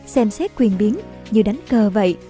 xem xét quyền biến như đánh cờ vậy